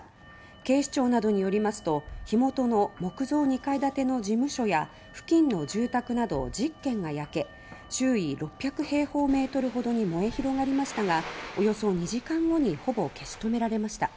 警視庁などによりますと火元の木造２階建ての事務所や付近の住宅など１０軒が焼け周囲６００平方メートルほどに燃え広がりましたがおよそ２時間後にほぼ消し止められました。